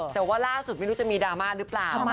แต่ว่าล่าสุดไม่รู้จะมีดราม่าหรือเปล่า